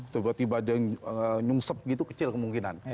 tiba tiba nyungsep gitu kecil kemungkinan